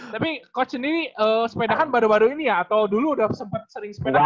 tapi coach ini sepedahan baru baru ini ya atau dulu udah sempet sering sepedahan